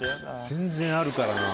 全然あるからな。